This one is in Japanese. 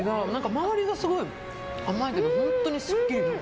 周りがすごい甘いけど本当にすっきり。